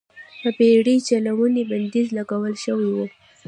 پر بېړۍ چلونې بندیز لګول شوی و.